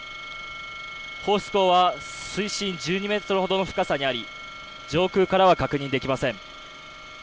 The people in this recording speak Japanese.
放出口は水深１２メートルほどの深さにあり上空からは確認できません。